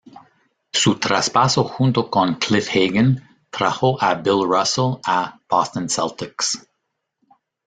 Su traspaso junto con Cliff Hagan trajo a Bill Russell a Boston Celtics.